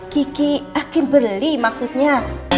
kiki membeli maksudnya